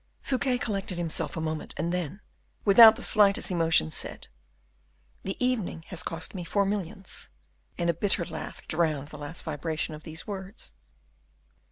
Fouquet collected himself a moment, and then, without the slightest emotion, said, "The evening has cost me four millions," and a bitter laugh drowned the last vibration of these words.